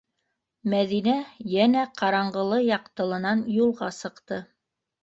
Мәҙинә йәнә ҡараңғылы-яҡтылынан юлға сыҡты.